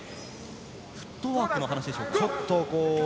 フットワークの話でしょうか。